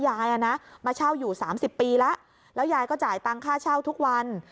ยายมาเช่าอยู่๓๐ปีแล้วแล้วยายก็จ่ายตังค่าเช่าทุกวัน